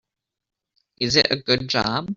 Is it a good job?